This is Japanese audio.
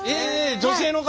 女性の方。